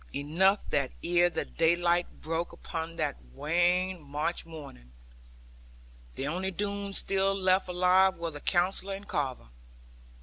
Enough that ere the daylight broke upon that wan March morning, the only Doones still left alive were the Counsellor and Carver.